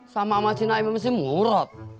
sama sama si naim sama si murad